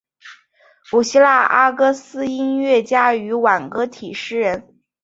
古希腊阿哥斯音乐家与挽歌体诗人。